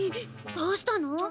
どうしたの？